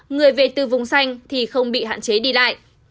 người về từ vùng xanh thì không bị hạn chế đi lại